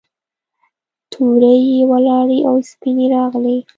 تورې یې ولاړې او سپینې یې راغلې.